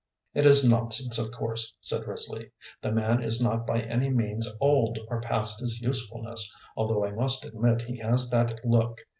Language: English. "It is nonsense, of course," said Risley. "The man is not by any means old or past his usefulness, although I must admit he has that look.